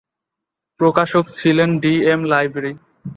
প্রকাশক ছিলেন D M library.